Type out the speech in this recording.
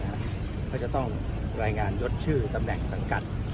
ก็จะต้องรายงานยดชื่อตำแหน่งสังกัด